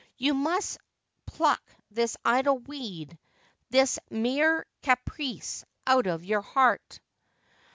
You must pluck this idle weed, this mere caprice, out of your heart.'